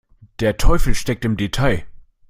Der Teufel steckt im Detail.